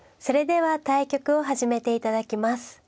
それでは対局を始めて頂きます。